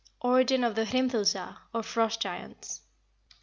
ORIGIN OF THE HRIMTHURSAR, OR FROST GIANTS.